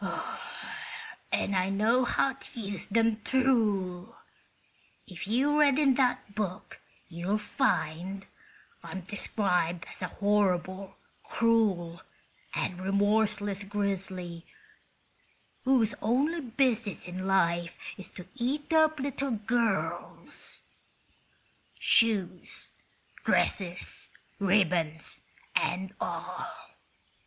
"And I know how to use them, too. If you read in that book you'll find I'm described as a horrible, cruel and remorseless grizzly, whose only business in life is to eat up little girls—shoes, dresses, ribbons and all!